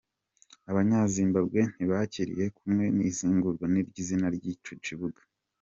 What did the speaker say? Abanya Zimbabwe ntibakiriye kumwe ihindugwa ry'izina ry'ico kibuga.